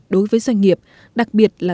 đối với doanh nghiệp đặc biệt là